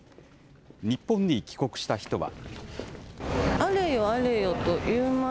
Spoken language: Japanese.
日本に帰国した人は。